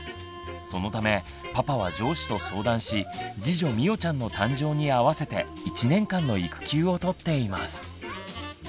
そのためパパは上司と相談し次女みおちゃんの誕生にあわせて１年間の育休を取っています。